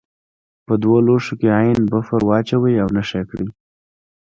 په دوه لوښو کې عین بفر واچوئ او نښه یې کړئ.